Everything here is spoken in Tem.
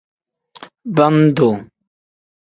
Bam-duu.